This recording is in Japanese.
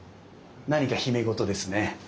何か秘め事ですね。